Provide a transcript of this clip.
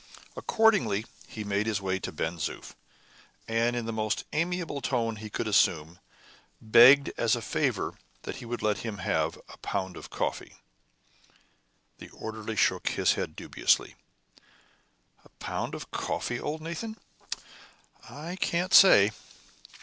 Accordingly, he made his way to Ben Zoof, and, in the most amiable tone he could assume, begged as a favor that he would let him have a pound of coffee. The orderly shook his head dubiously. "A pound of coffee, old Nathan? I can't say."